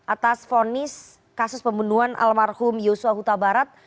atas vonis kasus pembunuhan almarhum yosua huta barat